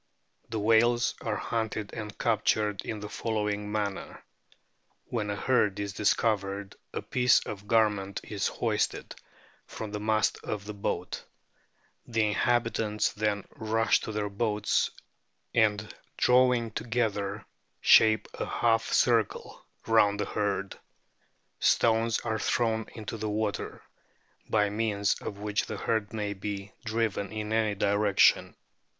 The whales are hunted and captured in the follow ing manner. When a herd is discovered a piece of 282 A BOOK OF WHALES garment is hoisted from the mast of a boat; the inhabi tants then rush to their boats, and drawing together shape a half circle round the herd ; stones are thrown into the water, by means of which the herd may be driven in any direction.